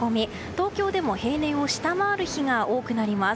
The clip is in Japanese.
東京でも平年を下回る日が多くなります。